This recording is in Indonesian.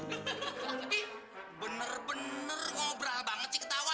tapi bener bener ngobrol banget sih ketawa